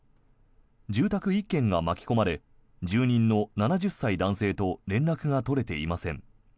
住宅１軒が巻き込まれ住人の７０歳男性と連絡が取れていません。